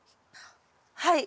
はい。